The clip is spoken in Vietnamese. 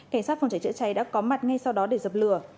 cảnh sát phòng cháy chữa cháy đã có mặt ngay sau đó để dập lửa